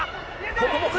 ここも。